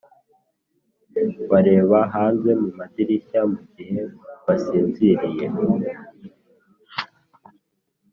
bareba hanze mu madirishya mugihe basinziriye